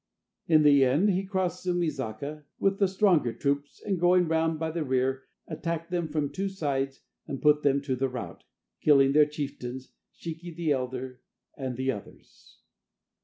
In the end he crossed Sumi Zaka with the stronger troops, and, going round by the rear, attacked them from two sides and put them to the rout, killing their chieftains, Shiki the elder, and the others.